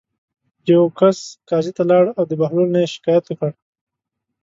یوه کس قاضي ته لاړ او د بهلول نه یې شکایت وکړ.